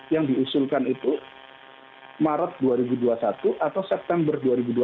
yang diusulkan itu maret dua ribu dua puluh satu atau september dua ribu dua puluh